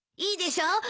いいでしょ？